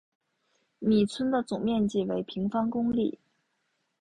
米村的总面积为平方公里。